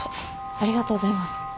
ありがとうございます。